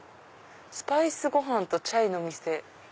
「スパイスご飯とチャイの店」。